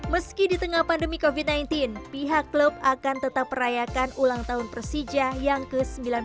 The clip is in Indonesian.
meski di tengah pandemi covid sembilan belas pihak klub akan tetap merayakan ulang tahun persija yang ke sembilan belas